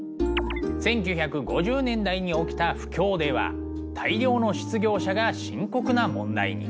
１９５０年代に起きた不況では大量の失業者が深刻な問題に。